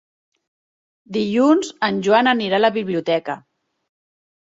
Dilluns en Joan anirà a la biblioteca.